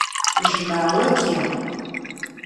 Jmeɛ waki!